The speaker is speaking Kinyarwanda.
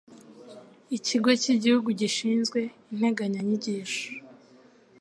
ikigo cy'igihugu gishinzwe integanyanyigisho